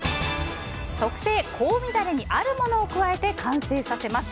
特製香味ダレにあるものを加えて完成させます。